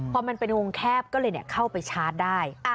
พอมันเป็นวงแคบก็เลยเข้าไปชาร์จได้